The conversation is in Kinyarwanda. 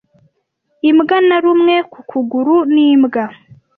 Imbwa narumwe ku kuguru n'imbwa.